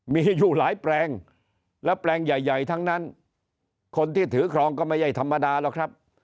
มีอยู่หลายแปลงและแปลงใหญ่ทั้งนั้นคนที่ถือครองก็ไม่ใช่ธรรมดาหรอกครับ